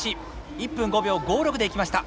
１分５秒５６で行きました。